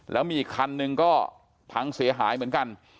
แล้วมีอีกคันนึงก็พังเสียหายเหมือนกัน